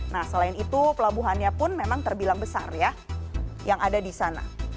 nah selain itu pelabuhannya pun memang terbilang besar ya yang ada di sana